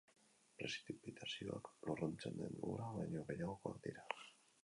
Prezipitazioak lurruntzen den ura baino gehiagokoak dira.